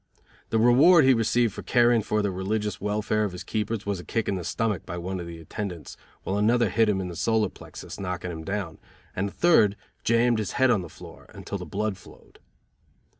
The reward he received for caring for the religious welfare of his keepers was a kick in the stomach by one of the attendants, while another hit him in the solar plexus, knocking him down, and a third jammed his head on the floor until the blood flowed.